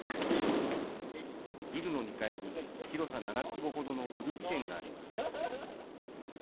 ビルの２階に、広さ７坪ほどの古着店があります。